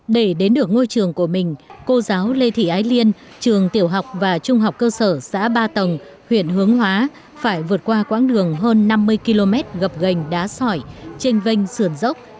để đến được ngôi trường của mình cô giáo lê thị ái liên trường tiểu học và trung học cơ sở xã ba tầng huyện hướng hóa phải vượt qua quãng đường hơn năm mươi km gập gành đá sỏi chênh vanh sườn dốc